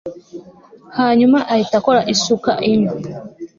Hanyuma ahita akora isukainyo